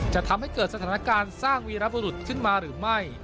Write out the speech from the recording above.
จะทำให้เกิดสถานการณ์สร้างวีรบุรุษขึ้นมาหรือไม่